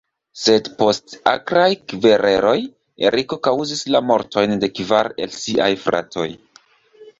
Sed post akraj kvereloj Eriko kaŭzis la mortojn de kvar el siaj fratoj.